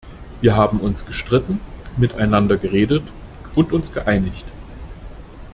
Wir haben uns gestritten, miteinander geredet und uns geeinigt.